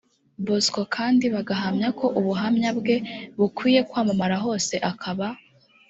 bosco kandi bagahamya ko ubuhamya bwe bukwiye kwamamara hose akaba